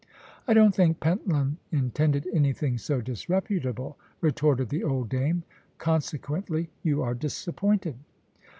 "I don't think Pentland intended anything so disreputable," retorted the old dame, "consequently you are disappointed."